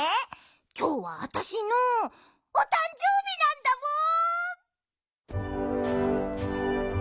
きょうはあたしのおたんじょうびなんだもん！